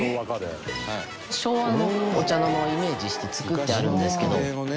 昭和のお茶の間をイメージして作ってあるんですけど。